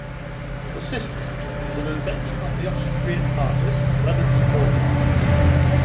The system is an invention of the Austrian artist Klemens Torggler.